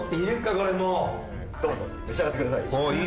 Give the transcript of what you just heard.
これもう・どうぞ召し上がってください